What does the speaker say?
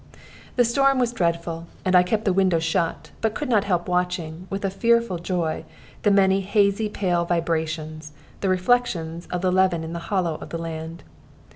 The storm was dreadful; and I kept the window shut, but could not help watching, with a fearful joy, the many fingered hazy pale vibrations, the reflections of the levin in the hollow of the land.